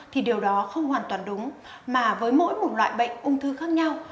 thì điều đó không hoàn toàn đúng mà với mỗi một loại bệnh ung thư khác nhau